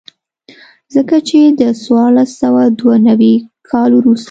ځکه چې د څوارلس سوه دوه نوي کال وروسته.